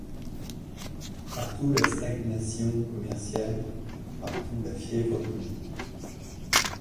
Partout la stagnation commerciale, partout la fièvre politique.